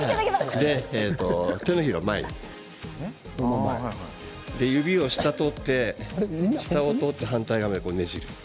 手のひらを前に指は、下を通って反対側までねじる。